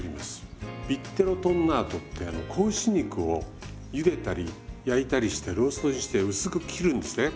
ビッテロトンナートってあの子牛肉をゆでたり焼いたりしてローストにして薄く切るんですね。